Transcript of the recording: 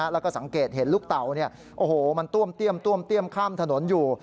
แล้วก็สังเกตเห็นลูกเต่ามันต้วมเตี้ยมข้ามถนนอยู่